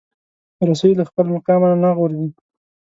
رسۍ له خپل مقامه نه غورځي.